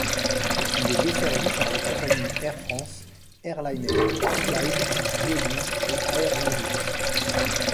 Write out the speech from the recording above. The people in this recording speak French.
Il est desservi par les compagnies Air France, Airlinair, Flybe, Vueling, et Aer Lingus.